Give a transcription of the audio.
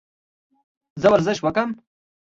زه ورزش وکم؟